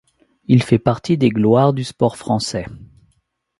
Il fait partie des Gloires du sport français.